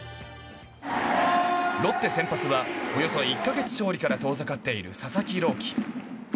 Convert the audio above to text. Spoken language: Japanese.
ロッテ先発はおよそ１か月勝利から遠ざかっている佐々木朗希。